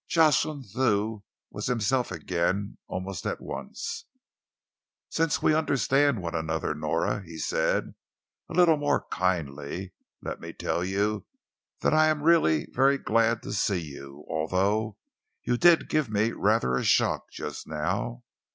Jocelyn Thew was himself again almost at once. "Since we understand one another, Nora," he said, a little more kindly, "let me tell you that I am really very glad to see you, although you did give me rather a shock just now.